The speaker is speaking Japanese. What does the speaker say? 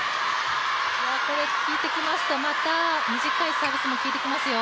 これ、効いてきました、また短いサービスも効いてきますよ。